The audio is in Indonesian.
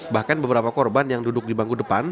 bahkan beberapa korban yang duduk di bangku depan